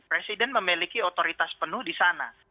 presiden memiliki otoritas penuh di sana